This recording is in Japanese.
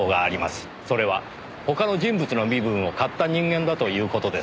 それは他の人物の身分を買った人間だという事です。